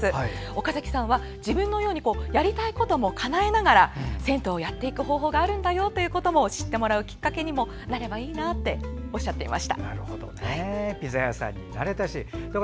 岡崎さんは、自分のようにやりたいこともかなえながら銭湯をやっていく方法があるんだよということを知ってもらうきっかけにもなればいいなってピザ屋さんになれたしね。